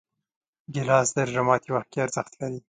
ګیلاس د روژه ماتي وخت کې ارزښت لري.